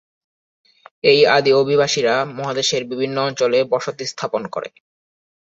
এই আদি অভিবাসীরা মহাদেশের বিভিন্ন অঞ্চলে বসতি স্থাপন করে।